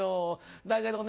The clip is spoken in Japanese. だけどね